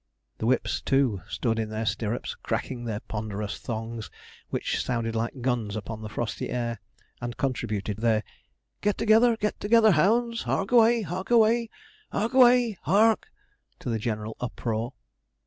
The whips, too, stood in their stirrups, cracking their ponderous thongs, which sounded like guns upon the frosty air, and contributed their 'Get together! get together, hounds!' 'Hark away!' 'Hark away!' 'Hark away!' 'Hark' to the general uproar.